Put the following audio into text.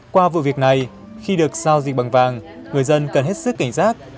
qua vụ việc này khi được giao dịch bằng vàng người dân cần hết sức cảnh giác